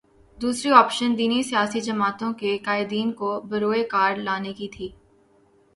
دوسری آپشن دینی سیاسی جماعتوں کے قائدین کو بروئے کار لانے کی تھی۔